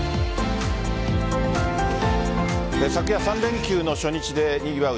昨夜、３連休の初日でにぎわう